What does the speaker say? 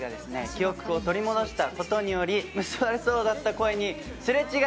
記憶を取り戻した事により結ばれそうだった恋にすれ違いが生じてしまいます。